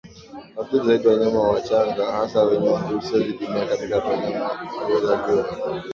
Huathiri zaidi wanyama wachanga hasa wenye umri usiozidi miaka mitatu wanyama waliozaliwa